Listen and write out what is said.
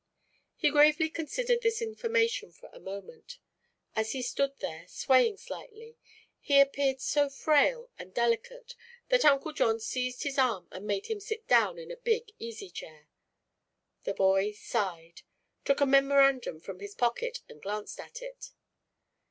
He gravely considered this information for a moment. As he stood there, swaying slightly, he appeared so frail and delicate that Uncle John seized his arm and made him sit down in a big easy chair. The boy sighed, took a memorandum from his pocket and glanced at it.